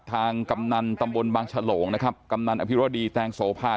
กำนันตำบลบางฉลงนะครับกำนันอภิรดีแตงโสภา